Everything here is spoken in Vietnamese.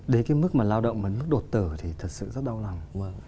đến cái mức mà lao động mà mức đột tử thì thật sự rất đau lòng